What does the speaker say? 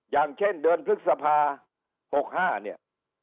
อย่างเช่นเดือนพฤษภา๖๕เนี่ย